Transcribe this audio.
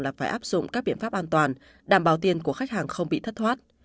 là phải áp dụng các biện pháp an toàn đảm bảo tiền của khách hàng không bị thất thoát